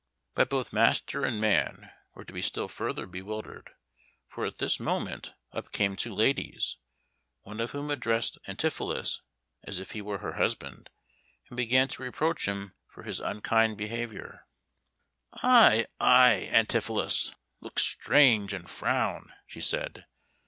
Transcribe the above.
But both master and man were to be still further bewildered, for at this moment up came two ladies, one of whom addressed Antipholus as if he were her husband, and began to reproach him for his unkind behaviour. "Ay, ay, Antipholus, look strange and frown!" she said.